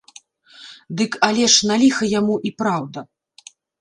Дык але ж, на ліха яму, і праўда.